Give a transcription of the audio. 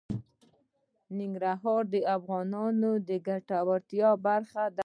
ننګرهار د افغانانو د ګټورتیا برخه ده.